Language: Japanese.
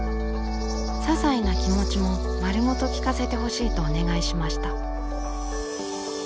ささいな気持ちも丸ごと聴かせてほしいとお願いしました。